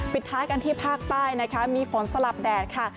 ปิดท้ายกันที่ภาคใต้นะคะมีฝนสลับแดดค่ะ